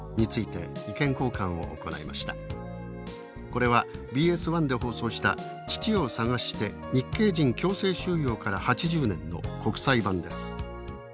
これはＢＳ１で放送した「父を探して日系人強制収容から８０年」の国際版です。